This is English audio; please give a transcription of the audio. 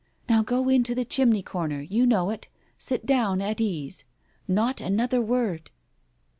Now go in to the chimney corner — you know it — sit down — at ease. Not another word."